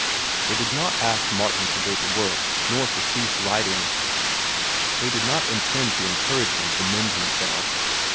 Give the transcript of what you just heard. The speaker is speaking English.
They did not ask Martin to go to work, nor to cease writing. They did not intend to encourage him to mend himself.